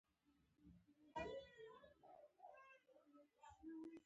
لمسی د بد کارونو پر وړاندې ودریږي.